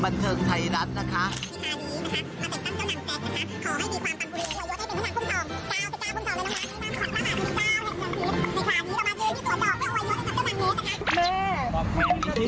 แม่ฤดินักศิษย์เอาอวยยดน้องหมาชื่อแจงงี่เอออ่า